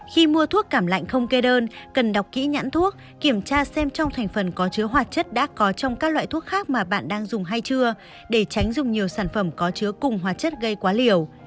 khi mua thuốc cảm lạnh không kê đơn cần đọc kỹ nhãn thuốc kiểm tra xem trong thành phần có chứa hoạt chất đã có trong các loại thuốc khác mà bạn đang dùng hay chưa để tránh dùng nhiều sản phẩm có chứa cùng hóa chất gây quá liều